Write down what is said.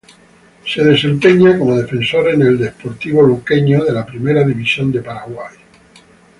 Se desempeña como defensor en el Sportivo Luqueño de la Primera División de Paraguay.